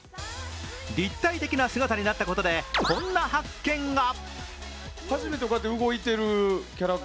立体的な姿になったことでこんな発見が。